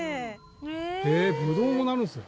へえぶどうもなるんですね。